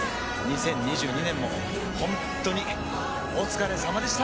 ２０２２年もほんっとにお疲れさまでした！